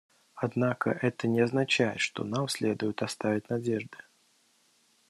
Однако это не означает, что нам следует оставить надежды.